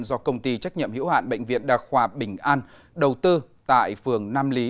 do công ty trách nhiệm hiểu hạn bệnh viện đà khoa bình an đầu tư tại phường nam lý